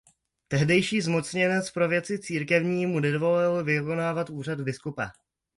Tehdejší zmocněnec pro věci církevní mu nedovolil vykonávat úřad biskupa.